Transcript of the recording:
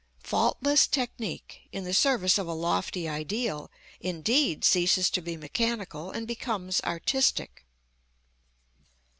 Faultless technique, in the service of a lofty ideal, indeed ceases to be mechanical and becomes artistic.